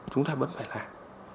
chúng ta vẫn phải làm